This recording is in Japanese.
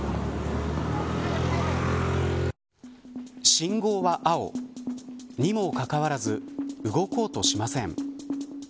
信号は青。にもかかわらず動こうとしません。